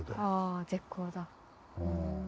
あぁ絶好だ。